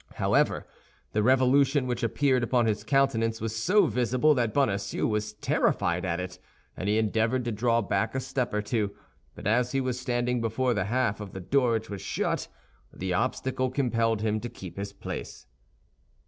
However, the revolution which appeared upon his countenance was so visible that Bonacieux was terrified at it, and he endeavored to draw back a step or two; but as he was standing before the half of the door which was shut, the obstacle compelled him to keep his place.